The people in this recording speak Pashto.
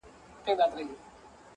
o که مرگ غواړې کندوز ته ولاړ سه!